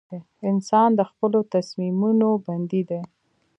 • انسان د خپلو تصمیمونو بندي دی.